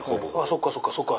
そっかそっかそっか。